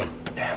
ya makasih dok